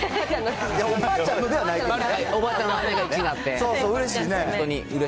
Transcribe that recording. おばあちゃんのではないけどね。